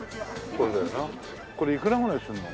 これいくらぐらいするの？